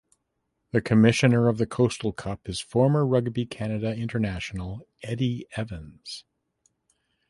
The commissioner of the Coastal Cup is former rugby Canada international Eddie Evans.